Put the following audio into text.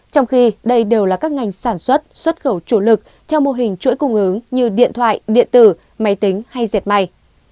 trong khi đây đều là các ngành sản xuất xuất khẩu chủ lực theo mô hình chuỗi cung ứng như điện thoại điện tử máy tính hay diệt may